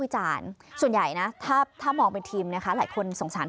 จานส่วนใหญ่นะถ้ามองเป็นทีมนะคะหลายคนสงสาร